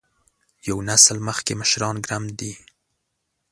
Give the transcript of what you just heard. یو نسل مخکې مشران ګرم دي.